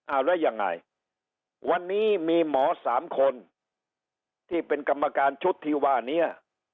เอาแล้วยังไงวันนี้มีหมอสามคนที่เป็นกรรมการชุดที่ว่านี้